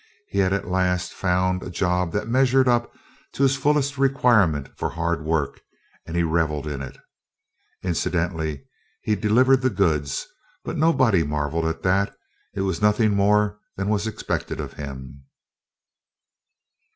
He had at last found a job that measured up to his fullest requirements for hard work, and he revelled in it. Incidentally, he "delivered the goods" but nobody marvelled at that; it was nothing more than was expected of him!